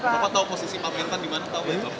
bapak tahu posisi pak mentan di mana tahu